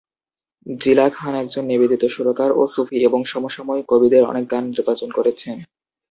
জিলা খান একজন নিবেদিত সুরকার ও সুফি এবং সমসাময়িক কবিদের অনেক গান নির্বাচন করেছেন।